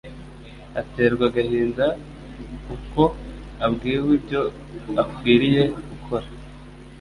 Aterwa agahinda u'uko abwiwe ibyo akwiriye gukora,